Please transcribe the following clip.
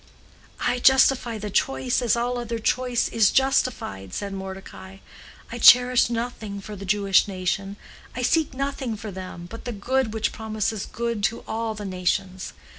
"I justify the choice as all other choice is justified," said Mordecai. "I cherish nothing for the Jewish nation, I seek nothing for them, but the good which promises good to all the nations.